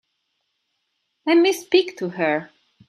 Let me speak to her.